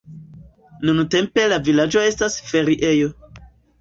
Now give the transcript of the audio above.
Nuntempe la vilaĝo estas feriejo.